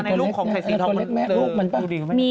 มาในลูกของใส่สีทอง